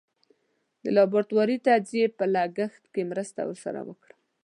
د لابراتواري تجزیې په لګښت کې مرسته ور سره وکړم.